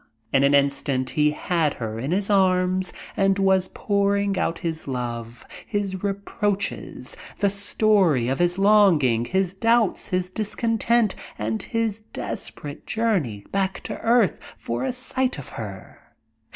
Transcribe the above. In an instant he had her in his arms, and was pouring out his love, his reproaches, the story of his longing, his doubts, his discontent, and his desperate journey back to earth for a sight of her.